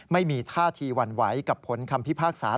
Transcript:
ไม่มีท่าทีหวั่นไหวกับผลคำพิพากษา